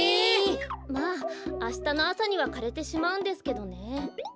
まああしたのあさにはかれてしまうんですけどね。